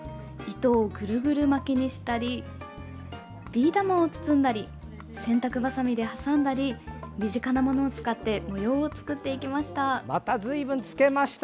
糸をぐるぐる巻きにしたりビー玉を包んだり洗濯ばさみで挟んだり身近なものを使って模様を作っていきました。